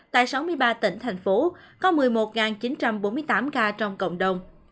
tại sáu mươi ba tỉnh thành phố có một mươi một chín trăm bốn mươi tám ca trong cộng đồng